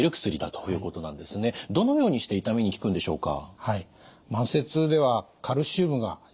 どのようにして痛みに効くんでしょうか？